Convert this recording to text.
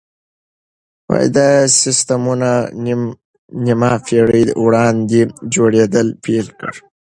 دا سيستمونه نيمه پېړۍ وړاندې جوړېدل پيل کړل.